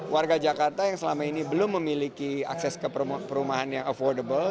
warga jakarta yang selama ini belum memiliki akses ke perumahan yang affordable